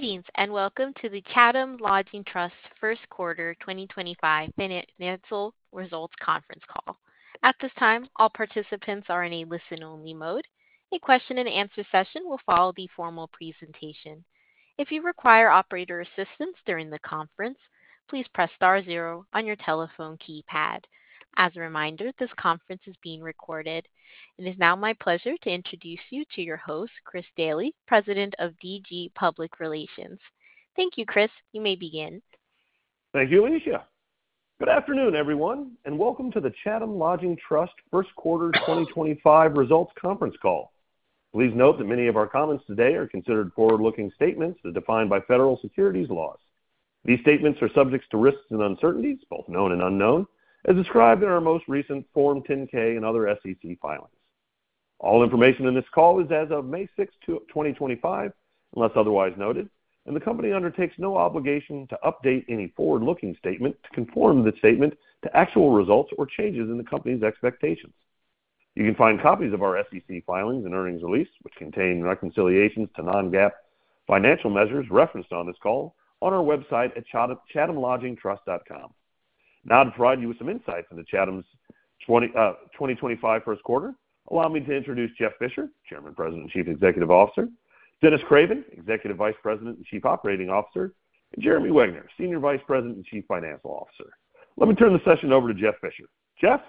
Greetings and welcome to the Chatham Lodging Trust First Quarter 2025 financial results conference call. At this time, all participants are in a listen-only mode. A question-and-answer session will follow the formal presentation. If you require operator assistance during the conference, please press star zero on your telephone keypad. As a reminder, this conference is being recorded. It is now my pleasure to introduce you to your host, Chris Daly, President of DG Public Relations. Thank you, Chris. You may begin. Thank you, Alicia. Good afternoon, everyone, and welcome to the Chatham Lodging Trust first quarter 2025 results conference call. Please note that many of our comments today are considered forward-looking statements defined by federal securities laws. These statements are subject to risks and uncertainties, both known and unknown, as described in our most recent Form 10-K and other SEC filings. All information in this call is as of May 6th, 2025, unless otherwise noted, and the company undertakes no obligation to update any forward-looking statement to conform the statement to actual results or changes in the company's expectations. You can find copies of our SEC filings and earnings release, which contain reconciliations to non-GAAP financial measures referenced on this call, on our website at chathamlodgingtrust.com. Now, to provide you with some insights into Chatham's 2025 first quarter, allow me to introduce Jeff Fisher, Chairman, President, and Chief Executive Officer, Dennis Craven, Executive Vice President and Chief Operating Officer, and Jeremy Wegner, Senior Vice President and Chief Financial Officer. Let me turn the session over to Jeff Fisher. Jeff?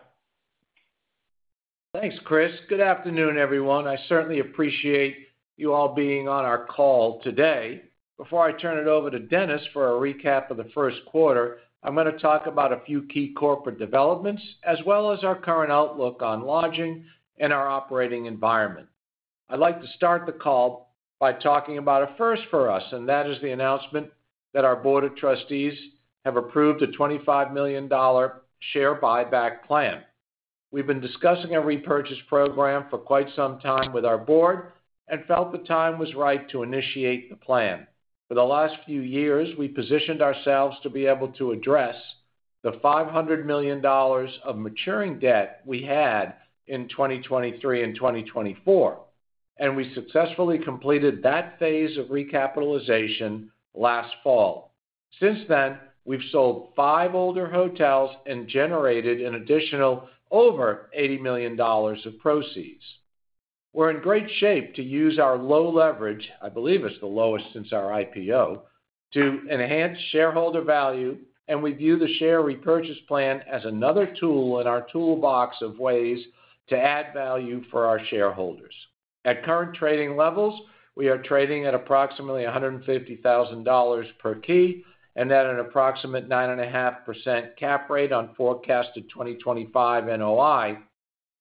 Thanks, Chris. Good afternoon, everyone. I certainly appreciate you all being on our call today. Before I turn it over to Dennis for a recap of the first quarter, I'm going to talk about a few key corporate developments as well as our current outlook on lodging and our operating environment. I'd like to start the call by talking about a first for us, and that is the announcement that our Board of Trustees have approved a $25 million share buyback plan. We've been discussing a repurchase program for quite some time with our board and felt the time was right to initiate the plan. For the last few years, we positioned ourselves to be able to address the $500 million of maturing debt we had in 2023 and 2024, and we successfully completed that phase of recapitalization last fall. Since then, we've sold five older hotels and generated an additional over $80 million of proceeds. We're in great shape to use our low leverage—I believe it's the lowest since our IPO—to enhance shareholder value, and we view the share repurchase plan as another tool in our toolbox of ways to add value for our shareholders. At current trading levels, we are trading at approximately $150,000 per key and at an approximate 9.5% cap rate on forecasted 2025 NOI,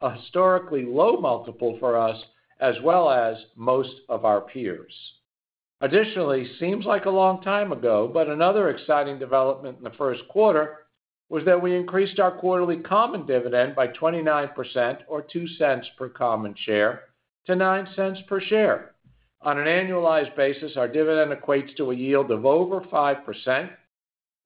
a historically low multiple for us as well as most of our peers. Additionally, it seems like a long time ago, but another exciting development in the first quarter was that we increased our quarterly common dividend by 29%, or $0.02 per common share, to $0.09 per share. On an annualized basis, our dividend equates to a yield of over 5%.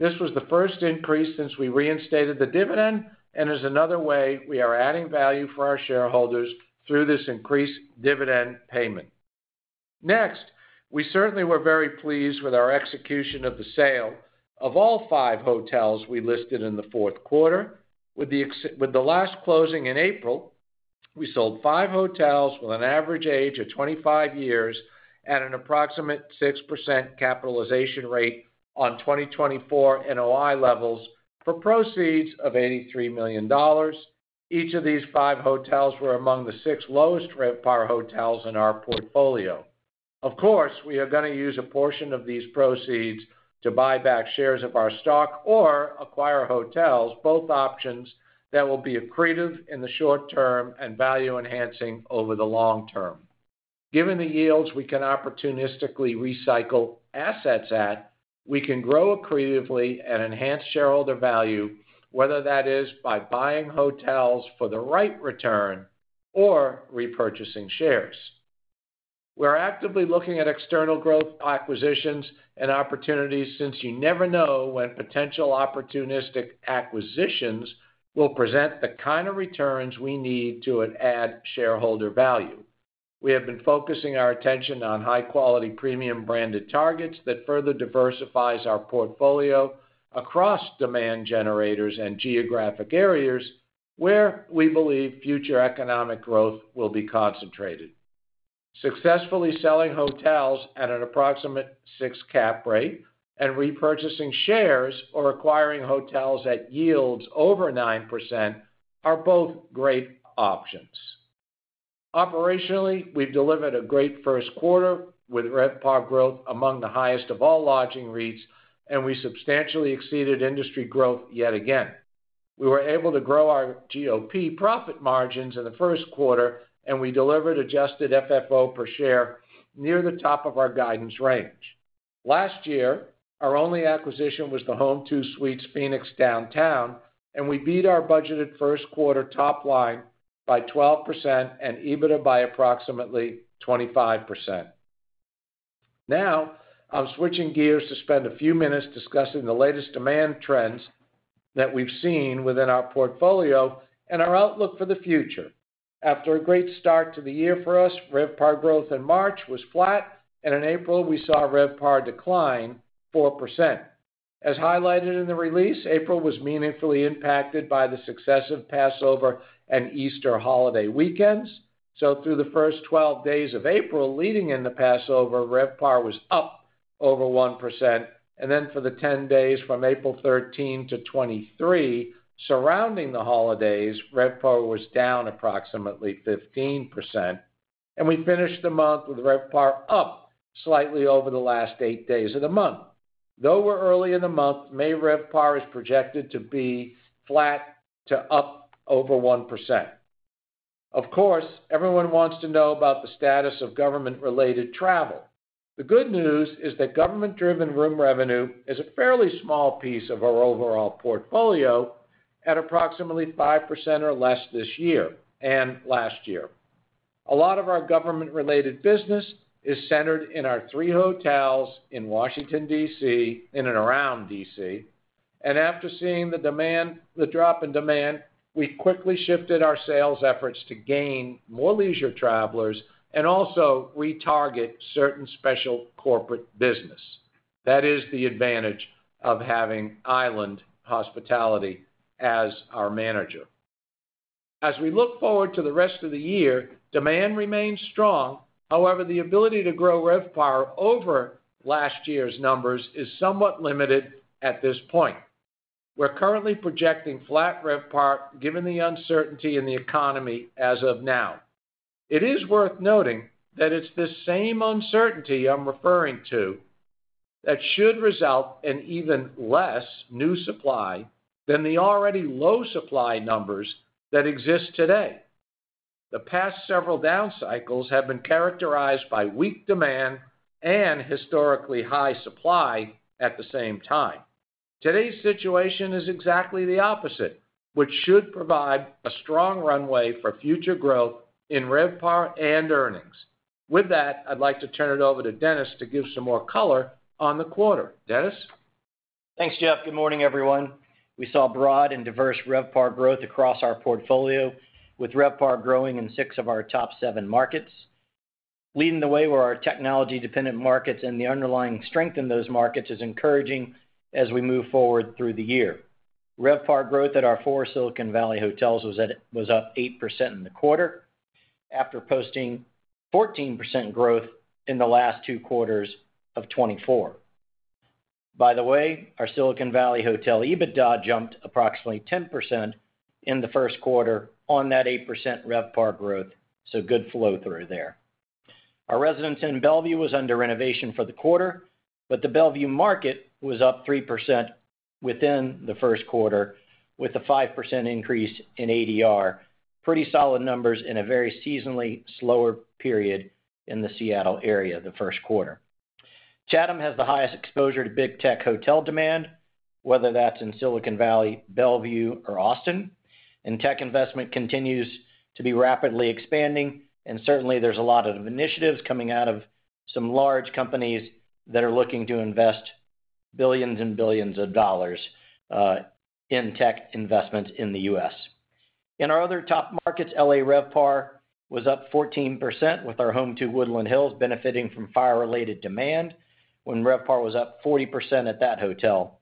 This was the first increase since we reinstated the dividend, and as another way, we are adding value for our shareholders through this increased dividend payment. Next, we certainly were very pleased with our execution of the sale of all five hotels we listed in the fourth quarter, with the last closing in April. We sold five hotels with an average age of 25 years at an approximate 6% capitalization rate on 2024 NOI levels for proceeds of $83 million. Each of these five hotels were among the six lowest required hotels in our portfolio. Of course, we are going to use a portion of these proceeds to buy back shares of our stock or acquire hotels, both options that will be accretive in the short term and value-enhancing over the long term. Given the yields we can opportunistically recycle assets at, we can grow accretively and enhance shareholder value, whether that is by buying hotels for the right return or repurchasing shares. We're actively looking at external growth acquisitions and opportunities since you never know when potential opportunistic acquisitions will present the kind of returns we need to add shareholder value. We have been focusing our attention on high-quality premium-branded targets that further diversify our portfolio across demand generators and geographic areas where we believe future economic growth will be concentrated. Successfully selling hotels at an approximate 6% cap rate and repurchasing shares or acquiring hotels at yields over 9% are both great options. Operationally, we've delivered a great first quarter with repo growth among the highest of all lodging REITs, and we substantially exceeded industry growth yet again. We were able to grow our GOP profit margins in the first quarter, and we delivered adjusted FFO per share near the top of our guidance range. Last year, our only acquisition was the Home2 Suites Phoenix Downtown, and we beat our budgeted first quarter top line by 12% and EBITDA by approximately 25%. Now, I'm switching gears to spend a few minutes discussing the latest demand trends that we've seen within our portfolio and our outlook for the future. After a great start to the year for us, repo growth in March was flat, and in April, we saw repo decline 4%. As highlighted in the release, April was meaningfully impacted by the successive Passover and Easter holiday weekends. Through the first 12 days of April leading in the Passover, repo was up over 1%. For the 10 days from April 13 to 23 surrounding the holidays, repo was down approximately 15%. We finished the month with repo up slightly over the last eight days of the month. Though we're early in the month, May repo is projected to be flat to up over 1%. Of course, everyone wants to know about the status of government-related travel. The good news is that government-driven room revenue is a fairly small piece of our overall portfolio at approximately 5% or less this year and last year. A lot of our government-related business is centered in our three hotels in Washington, D.C., in and around D.C. After seeing the drop in demand, we quickly shifted our sales efforts to gain more leisure travelers and also retarget certain special corporate business. That is the advantage of having Island Hospitality as our manager. As we look forward to the rest of the year, demand remains strong. However, the ability to grow repo over last year's numbers is somewhat limited at this point. We're currently projecting flat repo given the uncertainty in the economy as of now. It is worth noting that it's this same uncertainty I'm referring to that should result in even less new supply than the already low supply numbers that exist today. The past several down cycles have been characterized by weak demand and historically high supply at the same time. Today's situation is exactly the opposite, which should provide a strong runway for future growth in repo and earnings. With that, I'd like to turn it over to Dennis to give some more color on the quarter. Dennis? Thanks, Jeff. Good morning, everyone. We saw broad and diverse repo growth across our portfolio, with repo growing in six of our top seven markets. Leading the way were our technology-dependent markets, and the underlying strength in those markets is encouraging as we move forward through the year. Repo growth at our four Silicon Valley hotels was up 8% in the quarter after posting 14% growth in the last two quarters of 2024. By the way, our Silicon Valley hotel EBITDA jumped approximately 10% in the first quarter on that 8% repo growth, so good flow through there. Our Residence Inn Bellevue was under renovation for the quarter, but the Bellevue market was up 3% within the first quarter, with a 5% increase in ADR. Pretty solid numbers in a very seasonally slower period in the Seattle area the first quarter. Chatham has the highest exposure to big tech hotel demand, whether that's in Silicon Valley, Bellevue, or Austin. Tech investment continues to be rapidly expanding, and certainly, there's a lot of initiatives coming out of some large companies that are looking to invest billions and billions of dollars in tech investments in the U.S. In our other top markets, L.A. RevPAR was up 14% with our Home2 Woodland Hills benefiting from fire-related demand when RevPAR was up 40% at that hotel.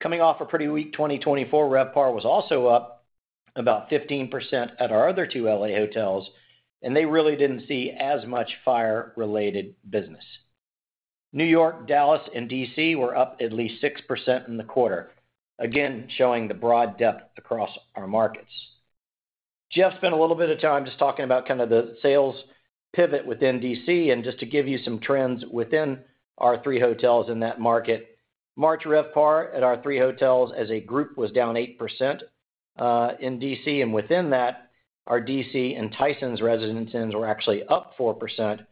Coming off a pretty weak 2024, RevPAR was also up about 15% at our other two L.A. hotels, and they really didn't see as much fire-related business. New York, Dallas, and D.C. were up at least 6% in the quarter, again showing the broad depth across our markets. Jeff spent a little bit of time just talking about kind of the sales pivot within D.C. and just to give you some trends within our three hotels in that market. March RevPAR at our three hotels as a group was down 8% in D.C., and within that, our D.C. and Tysons Residences were actually up 4%,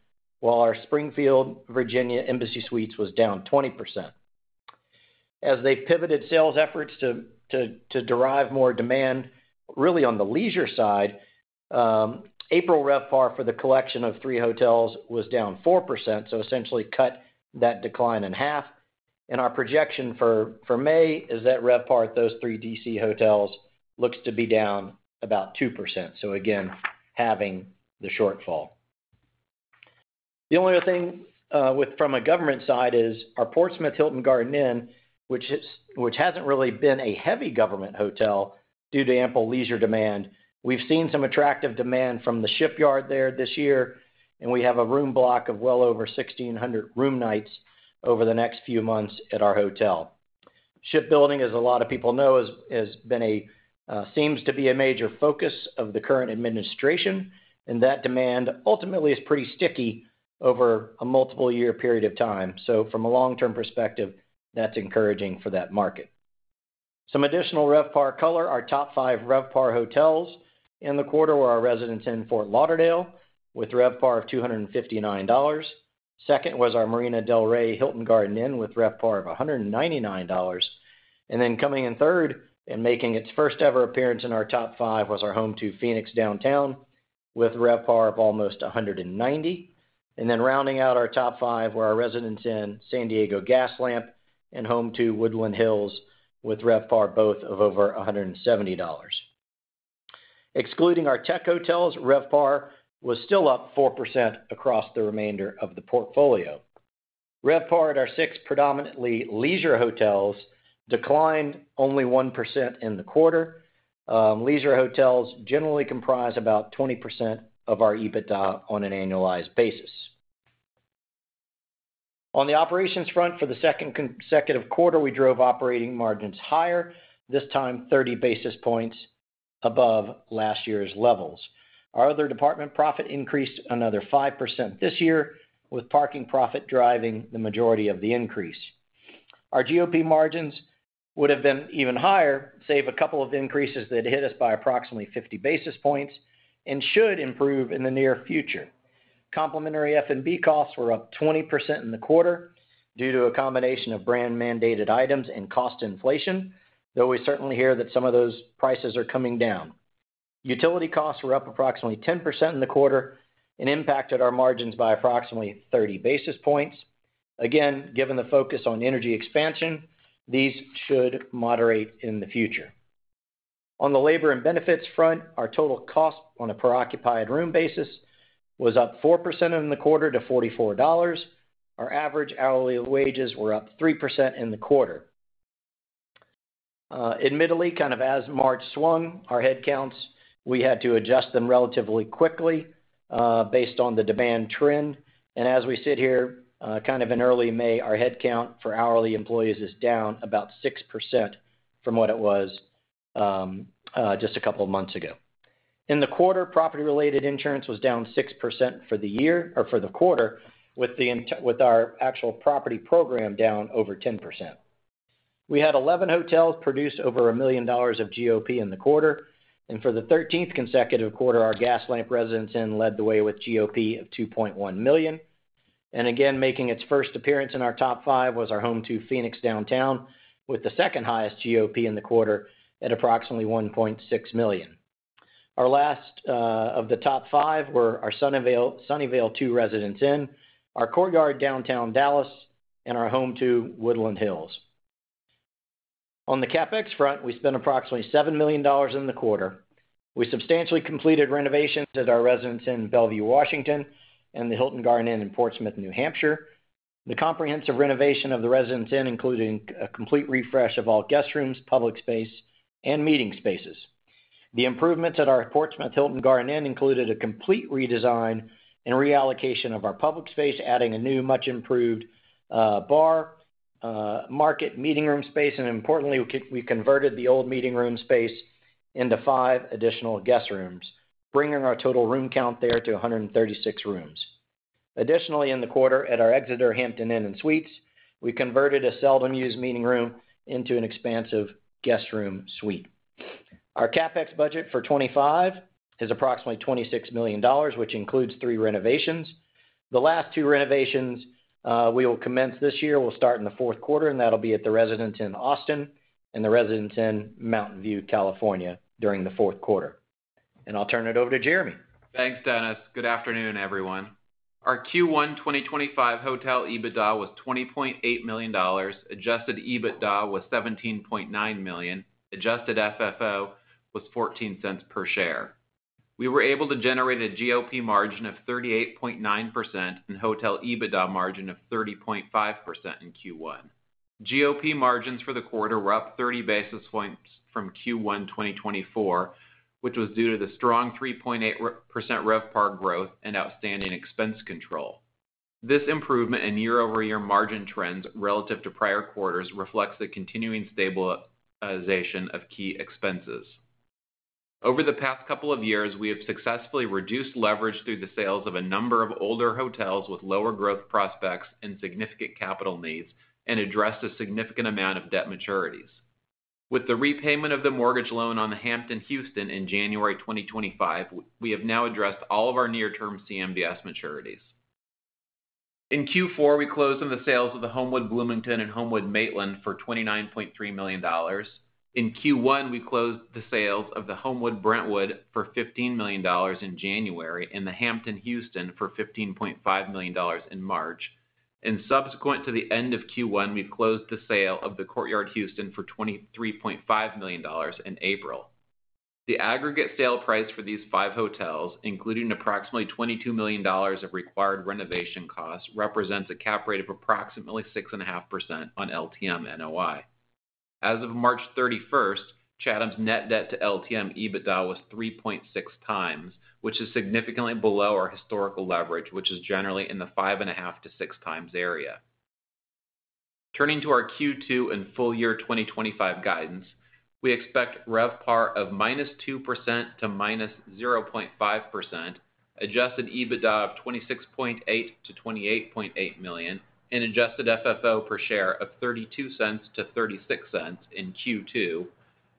while our Springfield, Virginia Embassy Suites was down 20%. As they pivoted sales efforts to derive more demand really on the leisure side, April RevPAR for the collection of three hotels was down 4%, so essentially cut that decline in half. Our projection for May is that RevPAR at those three D.C. hotels looks to be down about 2%, so again halving the shortfall. The only other thing from a government side is our Portsmouth Hilton Garden Inn, which has not really been a heavy government hotel due to ample leisure demand. We've seen some attractive demand from the shipyard there this year, and we have a room block of well over 1,600 room nights over the next few months at our hotel. Shipbuilding, as a lot of people know, seems to be a major focus of the current administration, and that demand ultimately is pretty sticky over a multiple-year period of time. From a long-term perspective, that's encouraging for that market. Some additional repo color: our top five repo hotels in the quarter were our Residence Inn Fort Lauderdale with repo of $259. Second was our Marina del Rey Hilton Garden Inn with repo of $199. Coming in third and making its first-ever appearance in our top five was our Home2 Suites Phoenix Downtown with repo of almost $190. Then rounding out our top five were our Residence Inn San Diego Gaslamp and Home2 Suites Woodland Hills with repo both of over $170. Excluding our tech hotels, repo was still up 4% across the remainder of the portfolio. Repo at our six predominantly leisure hotels declined only 1% in the quarter. Leisure hotels generally comprise about 20% of our EBITDA on an annualized basis. On the operations front, for the second consecutive quarter, we drove operating margins higher, this time 30 basis points above last year's levels. Our other department profit increased another 5% this year, with parking profit driving the majority of the increase. Our GOP margins would have been even higher, save a couple of increases that hit us by approximately 50 basis points and should improve in the near future. Complimentary F&B costs were up 20% in the quarter due to a combination of brand-mandated items and cost inflation, though we certainly hear that some of those prices are coming down. Utility costs were up approximately 10% in the quarter and impacted our margins by approximately 30 basis points. Again, given the focus on energy expansion, these should moderate in the future. On the labor and benefits front, our total cost on a per-occupied room basis was up 4% in the quarter to $44. Our average hourly wages were up 3% in the quarter. Admittedly, kind of as March swung, our head counts, we had to adjust them relatively quickly based on the demand trend. As we sit here, kind of in early May, our head count for hourly employees is down about 6% from what it was just a couple of months ago. In the quarter, property-related insurance was down 6% for the year or for the quarter, with our actual property program down over 10%. We had 11 hotels produce over $1 million of GOP in the quarter. For the 13th consecutive quarter, our Gaslamp Residence Inn led the way with GOP of $2.1 million. Making its first appearance in our top five was our Home2 Suites Phoenix Downtown with the second highest GOP in the quarter at approximately $1.6 million. The last of the top five were our Sunnyvale Two Residence Inn, our Courtyard Dallas Downtown, and our Home2 Suites Woodland Hills. On the CapEx front, we spent approximately $7 million in the quarter. We substantially completed renovations at our Residence Inn Bellevue, Washington, and the Hilton Garden Inn Portsmouth, New Hampshire. The comprehensive renovation of the Residence Inn included a complete refresh of all guest rooms, public space, and meeting spaces. The improvements at our Portsmouth Hilton Garden Inn included a complete redesign and reallocation of our public space, adding a new, much-improved bar, market, meeting room space. Importantly, we converted the old meeting room space into five additional guest rooms, bringing our total room count there to 136 rooms. Additionally, in the quarter, at our Exeter Hampton Inn & Suites, we converted a seldom-used meeting room into an expansive guest room suite. Our CapEx budget for 2025 is approximately $26 million, which includes three renovations. The last two renovations we will commence this year will start in the fourth quarter, and that will be at the Residence Inn Austin and the Residence Inn Mountain View, California, during the fourth quarter. I'll turn it over to Jeremy. Thanks, Dennis. Good afternoon, everyone. Our Q1 2025 hotel EBITDA was $20.8 million. Adjusted EBITDA was $17.9 million. Adjusted FFO was $0.14 per share. We were able to generate a GOP margin of 38.9% and hotel EBITDA margin of 30.5% in Q1. GOP margins for the quarter were up 30 basis points from Q1 2024, which was due to the strong 3.8% repo growth and outstanding expense control. This improvement in year-over-year margin trends relative to prior quarters reflects the continuing stabilization of key expenses. Over the past couple of years, we have successfully reduced leverage through the sales of a number of older hotels with lower growth prospects and significant capital needs and addressed a significant amount of debt maturities. With the repayment of the mortgage loan on the Hampton Houston in January 2025, we have now addressed all of our near-term CMBS maturities. In Q4, we closed on the sales of the Homewood Bloomington and Homewood Maitland for $29.3 million. In Q1, we closed the sales of the Homewood Brentwood for $15 million in January and the Hampton Houston for $15.5 million in March. Subsequent to the end of Q1, we've closed the sale of the Courtyard Houston for $23.5 million in April. The aggregate sale price for these five hotels, including approximately $22 million of required renovation costs, represents a cap rate of approximately 6.5% on LTM NOI. As of March 31, Chatham's net debt to LTM EBITDA was 3.6 times, which is significantly below our historical leverage, which is generally in the 5/2 to 6 times area. Turning to our Q2 and full year 2025 guidance, we expect repo of -2% to -0.5%, adjusted EBITDA of $26.8 million-$28.8 million, and adjusted FFO per share of $0.32-$0.36 in Q2,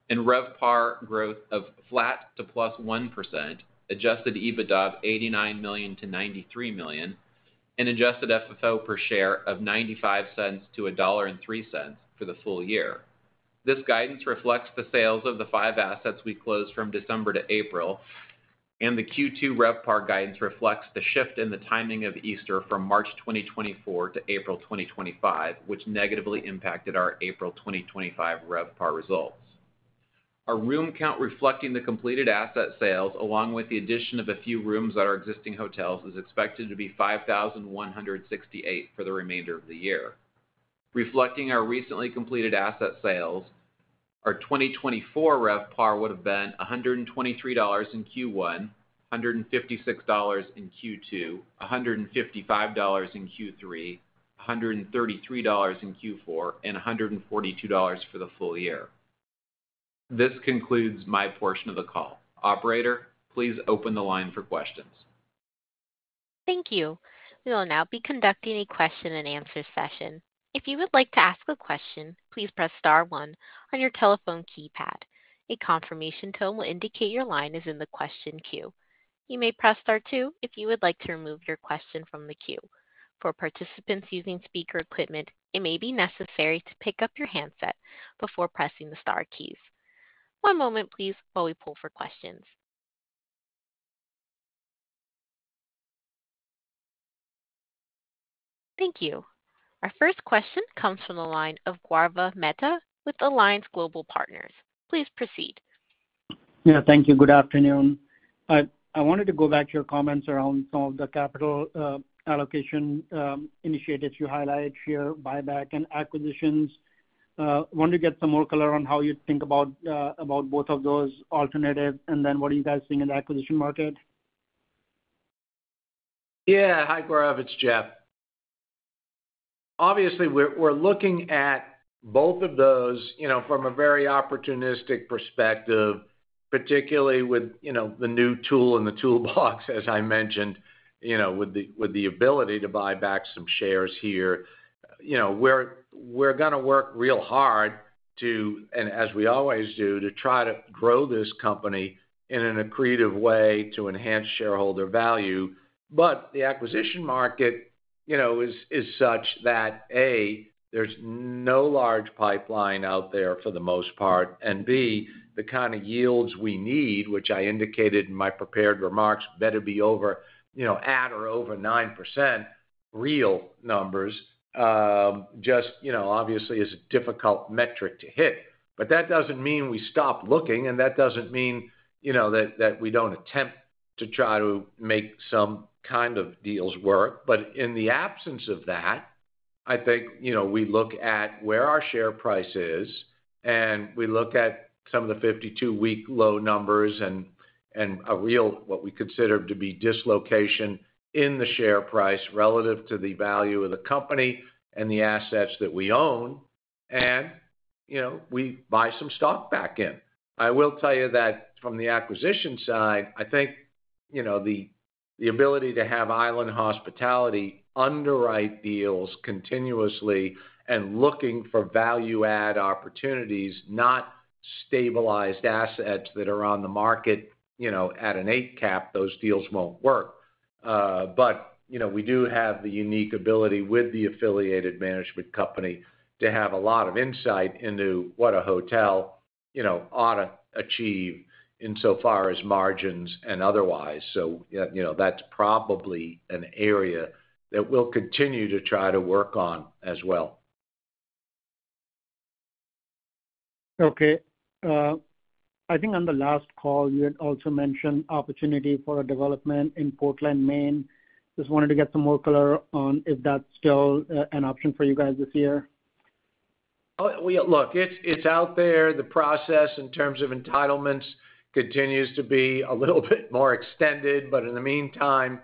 and repo growth of flat to +1%, adjusted EBITDA of $89 million-$93 million, and adjusted FFO per share of $0.95-$1.03 for the full year. This guidance reflects the sales of the five assets we closed from December to April, and the Q2 repo guidance reflects the shift in the timing of Easter from March 2024 to April 2025, which negatively impacted our April 2025 repo results. Our room count reflecting the completed asset sales, along with the addition of a few rooms at our existing hotels, is expected to be 5,168 for the remainder of the year. Reflecting our recently completed asset sales, our 2024 repo would have been $123 in Q1, $156 in Q2, $155 in Q3, $133 in Q4, and $142 for the full year. This concludes my portion of the call. Operator, please open the line for questions. Thank you. We will now be conducting a question-and-answer session. If you would like to ask a question, please press star one on your telephone keypad. A confirmation tone will indicate your line is in the question queue. You may press star two if you would like to remove your question from the queue. For participants using speaker equipment, it may be necessary to pick up your handset before pressing the star keys. One moment, please, while we pull for questions. Thank you. Our first question comes from the line of Gaurav Mehta with Alliance Global Partners. Please proceed. Yeah, thank you. Good afternoon. I wanted to go back to your comments around some of the capital allocation initiatives you highlight here, buyback and acquisitions. I wanted to get some more color on how you think about both of those alternatives and then what are you guys seeing in the acquisition market. Yeah. Hi, Gaurav. It's Jeff. Obviously, we're looking at both of those from a very opportunistic perspective, particularly with the new tool in the toolbox, as I mentioned, with the ability to buy back some shares here. We're going to work real hard to, and as we always do, to try to grow this company in an accretive way to enhance shareholder value. The acquisition market is such that, A, there's no large pipeline out there for the most part, and B, the kind of yields we need, which I indicated in my prepared remarks, better be at or over 9%, real numbers, just obviously is a difficult metric to hit. That doesn't mean we stop looking, and that doesn't mean that we don't attempt to try to make some kind of deals work. In the absence of that, I think we look at where our share price is, and we look at some of the 52-week low numbers and a real what we consider to be dislocation in the share price relative to the value of the company and the assets that we own, and we buy some stock back in. I will tell you that from the acquisition side, I think the ability to have Island Hospitality underwrite deals continuously and looking for value-add opportunities, not stabilized assets that are on the market at an eight-cap, those deals will not work. We do have the unique ability with the affiliated management company to have a lot of insight into what a hotel ought to achieve insofar as margins and otherwise. That is probably an area that we will continue to try to work on as well. Okay. I think on the last call, you had also mentioned opportunity for a development in Portland, Maine. Just wanted to get some more color on if that's still an option for you guys this year. Look, it's out there. The process in terms of entitlements continues to be a little bit more extended, but in the meantime,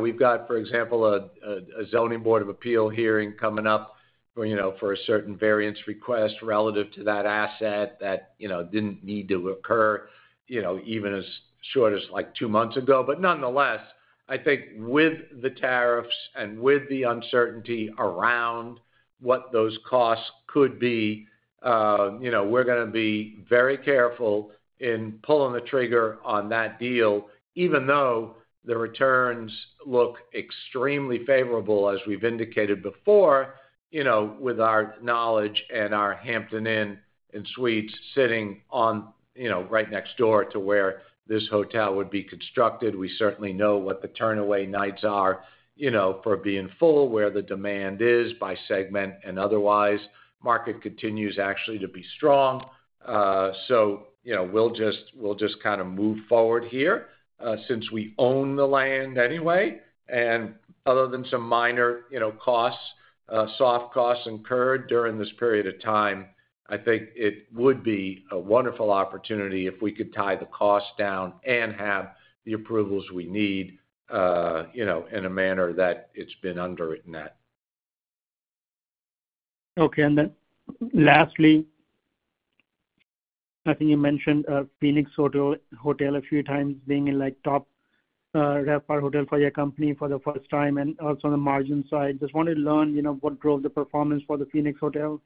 we've got, for example, a zoning board of appeal hearing coming up for a certain variance request relative to that asset that did not need to occur even as short as like two months ago. Nonetheless, I think with the tariffs and with the uncertainty around what those costs could be, we're going to be very careful in pulling the trigger on that deal, even though the returns look extremely favorable, as we've indicated before, with our knowledge and our Hampton Inn & Suites sitting right next door to where this hotel would be constructed. We certainly know what the turn-away nights are for being full, where the demand is by segment and otherwise. Market continues actually to be strong. We'll just kind of move forward here since we own the land anyway. Other than some minor costs, soft costs incurred during this period of time, I think it would be a wonderful opportunity if we could tie the cost down and have the approvals we need in a manner that it's been underwritten at. Okay. Lastly, I think you mentioned Phoenix Hotel a few times being a top repo hotel for your company for the first time and also on the margin side. Just wanted to learn what drove the performance for the Phoenix Hotel.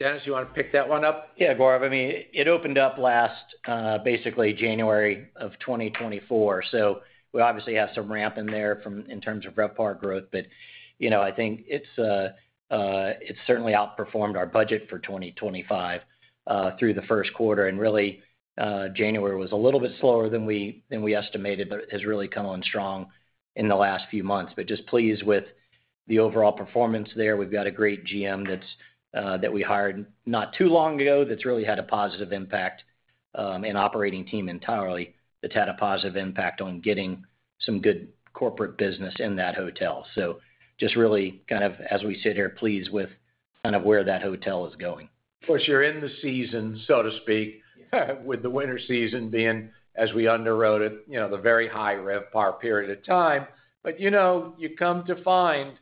Dennis, you want to pick that one up? Yeah, Guarav. I mean, it opened up last, basically, January of 2024. We obviously have some ramp in there in terms of repo growth, but I think it's certainly outperformed our budget for 2025 through the first quarter. January was a little bit slower than we estimated, but has really come on strong in the last few months. Just pleased with the overall performance there. We've got a great GM that we hired not too long ago that's really had a positive impact and operating team entirely that had a positive impact on getting some good corporate business in that hotel. Just really kind of, as we sit here, pleased with kind of where that hotel is going. Of course, you're in the season, so to speak, with the winter season being as we underwrote it, the very high repo period of time. You come to find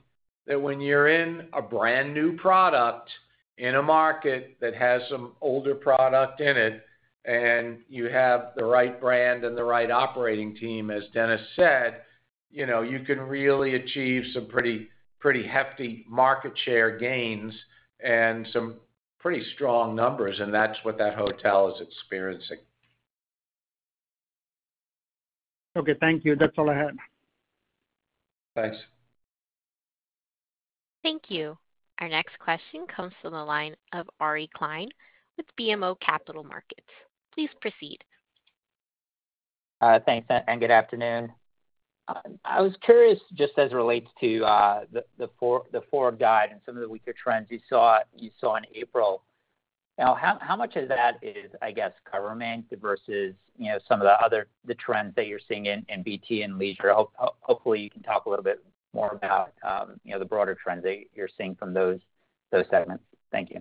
that when you're in a brand new product in a market that has some older product in it and you have the right brand and the right operating team, as Dennis said, you can really achieve some pretty hefty market share gains and some pretty strong numbers, and that's what that hotel is experiencing. Okay. Thank you. That's all I had. Thanks. Thank you. Our next question comes from the line of Ari Klein with BMO Capital Markets. Please proceed. Thanks. Good afternoon. I was curious just as it relates to the forward guide and some of the weaker trends you saw in April. How much of that is, I guess, cover management versus some of the other trends that you're seeing in BT and leisure? Hopefully, you can talk a little bit more about the broader trends that you're seeing from those segments. Thank you.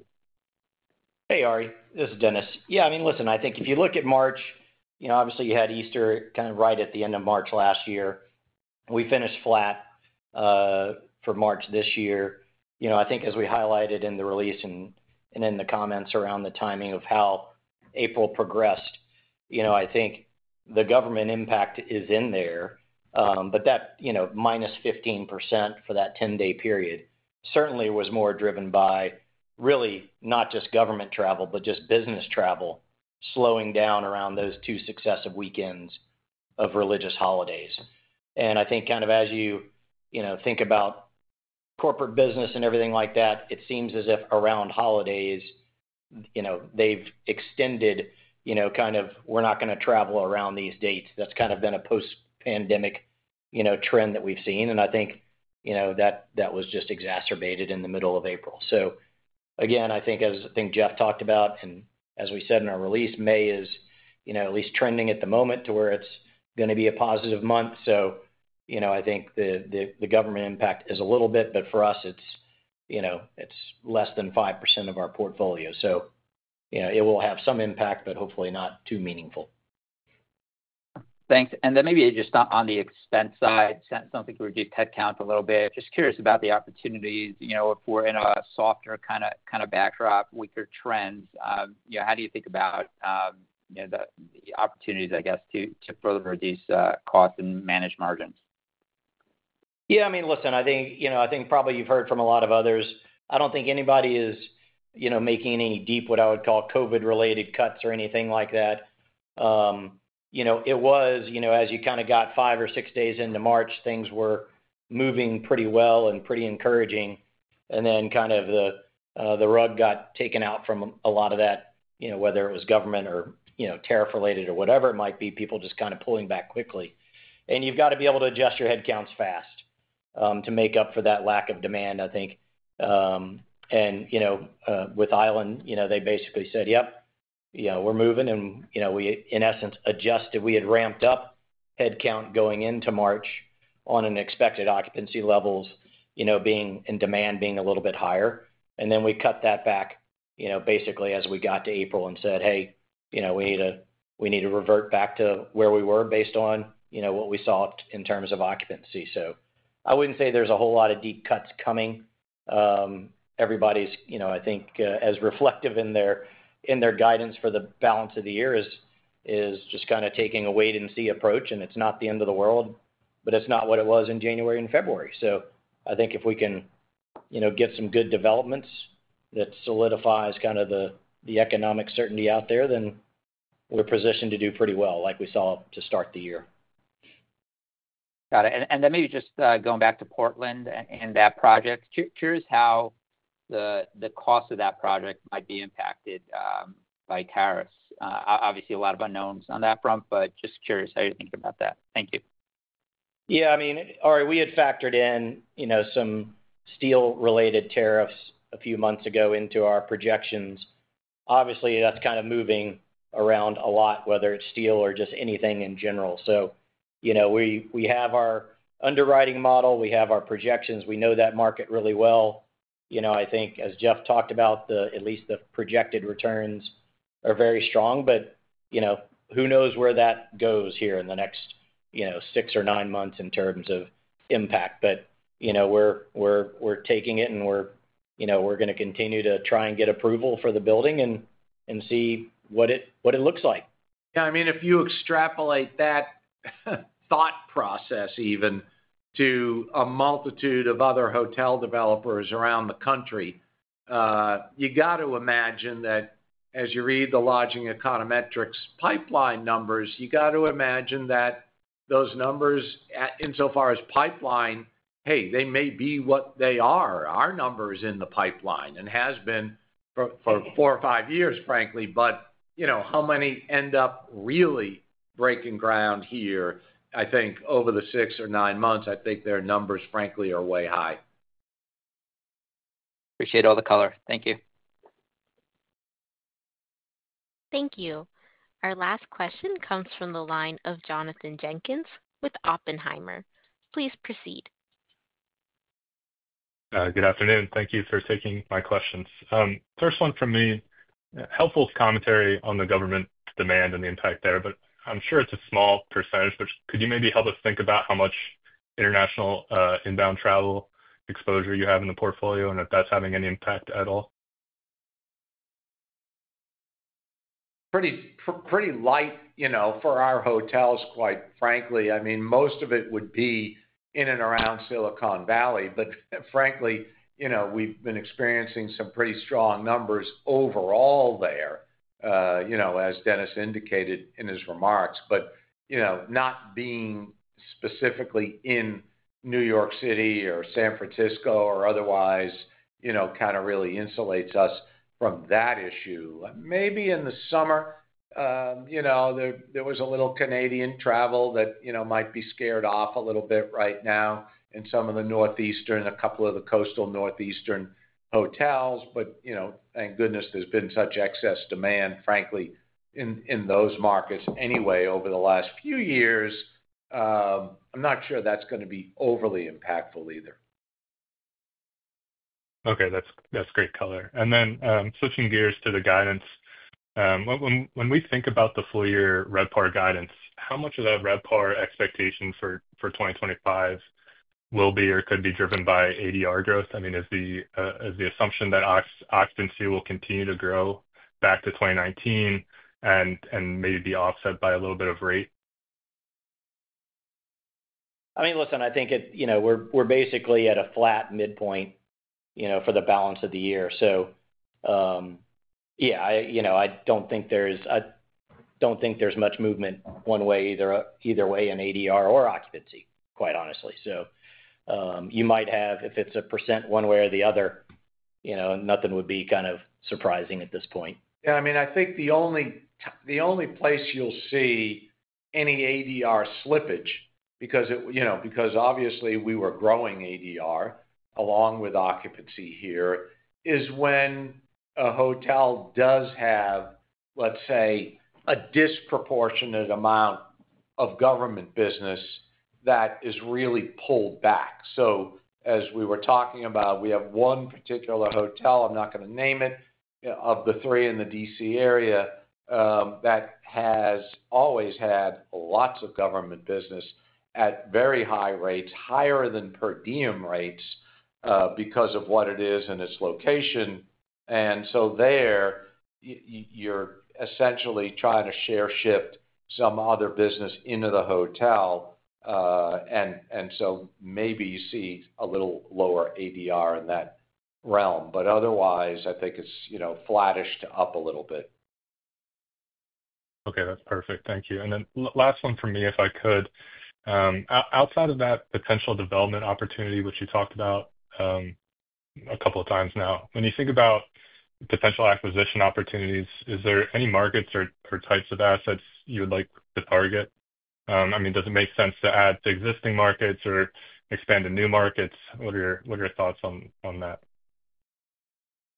Hey, Ari. This is Dennis. Yeah. I mean, listen, I think if you look at March, obviously, you had Easter kind of right at the end of March last year. We finished flat for March this year. I think as we highlighted in the release and in the comments around the timing of how April progressed, I think the government impact is in there. That minus 15% for that 10-day period certainly was more driven by really not just government travel, but just business travel slowing down around those two successive weekends of religious holidays. I think kind of as you think about corporate business and everything like that, it seems as if around holidays, they've extended kind of, "We're not going to travel around these dates." That's kind of been a post-pandemic trend that we've seen. I think that was just exacerbated in the middle of April. Again, I think as I think Jeff talked about, and as we said in our release, May is at least trending at the moment to where it's going to be a positive month. I think the government impact is a little bit, but for us, it's less than 5% of our portfolio. It will have some impact, but hopefully not too meaningful. Thanks. Maybe just on the expense side, something to reduce headcount a little bit. Just curious about the opportunities if we're in a softer kind of backdrop, weaker trends. How do you think about the opportunities, I guess, to further reduce costs and manage margins? Yeah. I mean, listen, I think probably you've heard from a lot of others. I don't think anybody is making any deep, what I would call COVID-related cuts or anything like that. It was, as you kind of got five or six days into March, things were moving pretty well and pretty encouraging. Then kind of the rug got taken out from a lot of that, whether it was government or tariff-related or whatever it might be, people just kind of pulling back quickly. You have got to be able to adjust your headcounts fast to make up for that lack of demand, I think. With Island, they basically said, "Yep, we're moving." We, in essence, adjusted. We had ramped up headcount going into March on an expected occupancy levels being in demand being a little bit higher. We cut that back basically as we got to April and said, "Hey, we need to revert back to where we were based on what we saw in terms of occupancy." I would not say there is a whole lot of deep cuts coming. Everybody is, I think, as reflective in their guidance for the balance of the year, just kind of taking a wait-and-see approach. It is not the end of the world, but it is not what it was in January and February. I think if we can get some good developments that solidify kind of the economic certainty out there, then we are positioned to do pretty well like we saw to start the year. Got it. Maybe just going back to Portland and that project, curious how the cost of that project might be impacted by tariffs. Obviously, a lot of unknowns on that front, but just curious how you're thinking about that. Thank you. Yeah. I mean, Ari, we had factored in some steel-related tariffs a few months ago into our projections. Obviously, that's kind of moving around a lot, whether it's steel or just anything in general. So we have our underwriting model. We have our projections. We know that market really well. I think, as Jeff talked about, at least the projected returns are very strong, but who knows where that goes here in the next six or nine months in terms of impact. We are taking it, and we are going to continue to try and get approval for the building and see what it looks like. Yeah. I mean, if you extrapolate that thought process even to a multitude of other hotel developers around the country, you got to imagine that as you read the Lodging Econometrics pipeline numbers, you got to imagine that those numbers insofar as pipeline, hey, they may be what they are. Our number is in the pipeline and has been for four or five years, frankly. How many end up really breaking ground here, I think over the six or nine months, I think their numbers, frankly, are way high. Appreciate all the color. Thank you. Thank you. Our last question comes from the line of Jonathan Jenkins with Oppenheimer. Please proceed. Good afternoon. Thank you for taking my questions. First one from me. Helpful commentary on the government demand and the impact there, but I'm sure it's a small percentage. Could you maybe help us think about how much international inbound travel exposure you have in the portfolio and if that's having any impact at all? Pretty light for our hotels, quite frankly. I mean, most of it would be in and around Silicon Valley. Frankly, we've been experiencing some pretty strong numbers overall there, as Dennis indicated in his remarks. Not being specifically in New York City or San Francisco or otherwise kind of really insulates us from that issue. Maybe in the summer, there was a little Canadian travel that might be scared off a little bit right now in some of the northeastern, a couple of the coastal northeastern hotels. Thank goodness there's been such excess demand, frankly, in those markets anyway over the last few years. I'm not sure that's going to be overly impactful either. Okay. That's great color. Then switching gears to the guidance. When we think about the full-year repo guidance, how much of that repo expectation for 2025 will be or could be driven by ADR growth? I mean, is the assumption that occupancy will continue to grow back to 2019 and maybe be offset by a little bit of rate? I mean, listen, I think we're basically at a flat midpoint for the balance of the year. Yeah, I don't think there's much movement one way either way in ADR or occupancy, quite honestly. You might have, if it's a percent one way or the other, nothing would be kind of surprising at this point. Yeah, I mean, I think the only place you'll see any ADR slippage, because obviously we were growing ADR along with occupancy here, is when a hotel does have, let's say, a disproportionate amount of government business that has really pulled back. As we were talking about, we have one particular hotel, I'm not going to name it, of the three in the D.C. area that has always had lots of government business at very high rates, higher than per diem rates because of what it is and its location. There, you're essentially trying to share shift some other business into the hotel. Maybe you see a little lower ADR in that realm. Otherwise, I think it's flattish to up a little bit. Okay. That's perfect. Thank you. And then last one for me, if I could. Outside of that potential development opportunity, which you talked about a couple of times now, when you think about potential acquisition opportunities, is there any markets or types of assets you would like to target? I mean, does it make sense to add to existing markets or expand to new markets? What are your thoughts on that?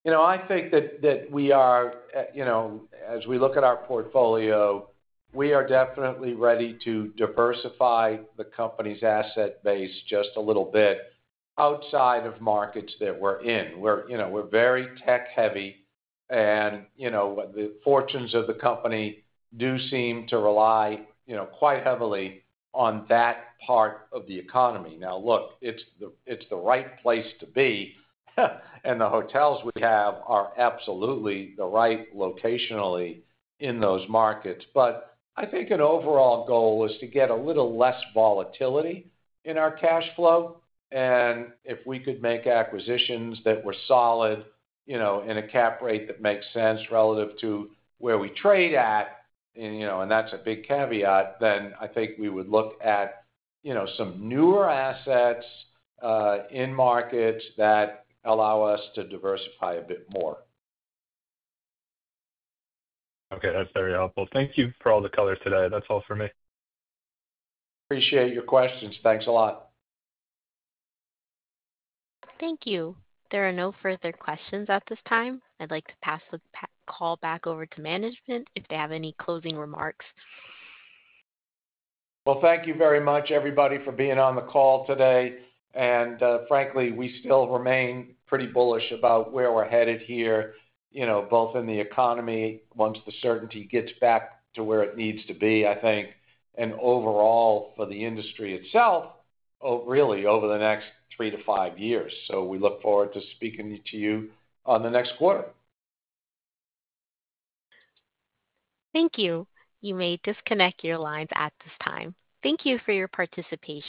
I think that we are, as we look at our portfolio, we are definitely ready to diversify the company's asset base just a little bit outside of markets that we're in. We're very tech-heavy, and the fortunes of the company do seem to rely quite heavily on that part of the economy. Now, look, it's the right place to be, and the hotels we have are absolutely the right locationally in those markets. I think an overall goal is to get a little less volatility in our cash flow. If we could make acquisitions that were solid in a cap rate that makes sense relative to where we trade at, and that's a big caveat, then I think we would look at some newer assets in markets that allow us to diversify a bit more. Okay. That's very helpful. Thank you for all the color today. That's all for me. Appreciate your questions. Thanks a lot. Thank you. There are no further questions at this time. I'd like to pass the call back over to management if they have any closing remarks. Thank you very much, everybody, for being on the call today. Frankly, we still remain pretty bullish about where we're headed here, both in the economy once the certainty gets back to where it needs to be, I think, and overall for the industry itself, really over the next three to five years. We look forward to speaking to you on the next quarter. Thank you. You may disconnect your lines at this time. Thank you for your participation.